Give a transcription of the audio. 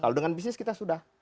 kalau dengan bisnis kita sudah